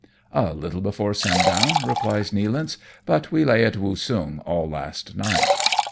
" A little before sundown,^' replies Nealance, " but we lay at Woosung all last night."